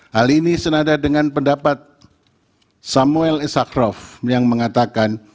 hal ini senada dengan pendapat samuel e sakraf yang mengatakan